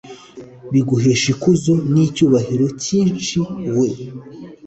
biguheshe ikuzo n'icyubahiro cyinshi, we